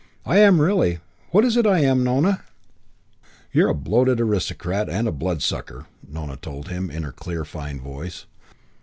I am really. What is it I am, Nona?" "You're a bloated aristocrat and a bloodsucker," Nona told him in her clear, fine voice.